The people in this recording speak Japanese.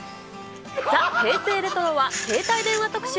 ザ・平成レトロは、携帯電話特集。